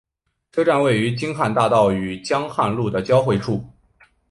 车站位于京汉大道与江汉路的交汇处。